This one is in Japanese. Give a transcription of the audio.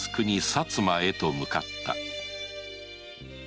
薩摩へと向かった